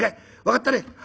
分かったね？」。